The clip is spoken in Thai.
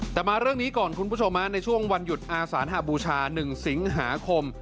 แต่มาเรื่องนี้ก่อนคุณผู้ชมในช่วงวันหยุดอาสานหบูชา๑สิงหาคม